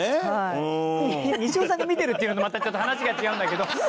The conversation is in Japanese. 西尾さんもね。っていうのもまたちょっと話が違うんだけど。